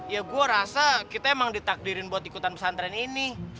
ya gue rasa kita emang ditakdirin buat ikutan pesantren ini